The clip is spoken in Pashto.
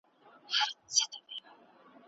علماوو د شريعت اصول روښانه کړي دي.